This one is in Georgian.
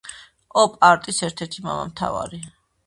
ოპ-არტის ერთ-ერთი მამამთავარი.